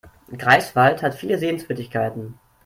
Greifswald hat viele Sehenswürdigkeiten